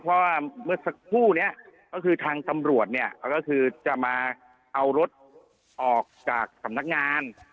เพราะว่าเมื่อสักครู่นี้ก็คือทางตำรวจเนี่ยก็คือจะมาเอารถออกจากสำนักงาน